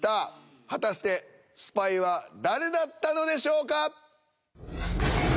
果たしてスパイは誰だったのでしょうか？